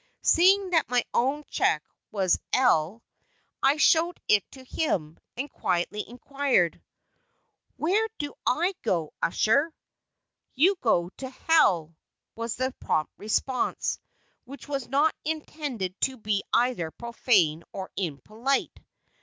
Seeing that my own check was "L," I showed it to him, and quietly inquired: "Where do I go to, usher?" "You go to Hell," was the prompt response; which was not intended to be either profane or impolite.